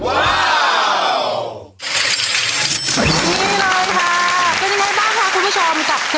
แน่นอนค่ะเป็นยังไงบ้างคะคุณผู้ชม